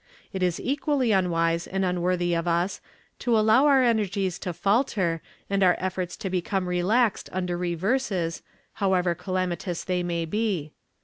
It is equally unwise and unworthy of us to allow our energies to falter and our efforts to become relaxed under reverses, however calamitous they may be.